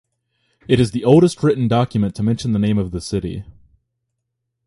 It is the oldest written document to mention the name of the city.